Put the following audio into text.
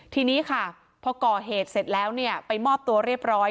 ทีนี้ค่ะพอก่อเหตุเสร็จแล้วเนี่ยไปมอบตัวเรียบร้อย